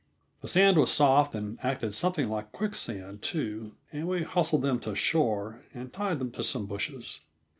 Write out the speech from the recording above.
The sand was soft and acted something like quicksand, too, and we hustled them to shore and tied them to some bushes.